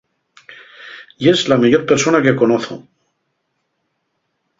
Yes la meyor persona que conozo.